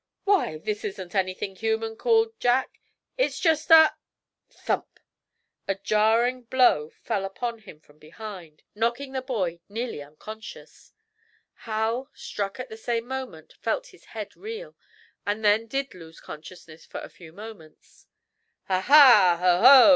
"Why, this isn't anything human," called Jack. "It's just a " Thump! A jarring blow fell upon him from behind, knocking the boy nearly unconscious. Hal, struck at the same moment, felt his head reel, and then did lose consciousness for a few moments. "Ha, ha!